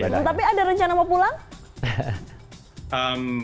tapi ada rencana mau pulang